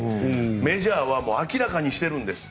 メジャーは明らかにしているんです。